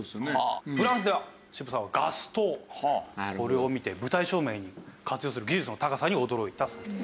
フランスでは渋沢はガス灯これを見て舞台照明に活用する技術の高さに驚いたそうですね。